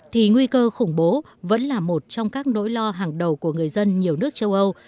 thì nguy cơ khủng bố vẫn là một trong các nỗi lo hàng đầu của người dân nhiều nước châu âu